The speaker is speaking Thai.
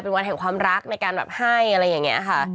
เป็นวันแห่งความรักในการแบบให้อะไรอย่างนี้ค่ะ